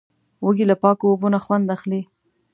وزې له پاکو اوبو نه خوند اخلي